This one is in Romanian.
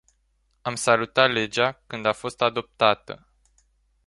Am salutat legea când a fost adoptată.